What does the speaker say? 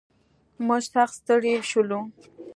موږ سخت ستړي شولو.